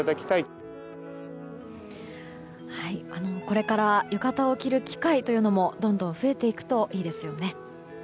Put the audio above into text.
これから浴衣を着る機会というのもどんどん増えていくといいですよね。